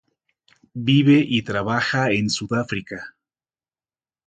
Vive y trabaja en Sudáfrica.